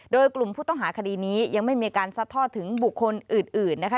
โดยกลุ่มผู้ต้องหาคดีนี้ยังไม่มีการซัดทอดถึงบุคคลอื่นนะคะ